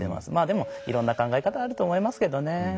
でもいろんな考え方あると思いますけどね。